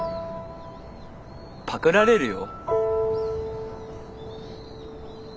パクられるよ？